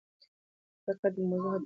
فقره د موضوع حدود ټاکي.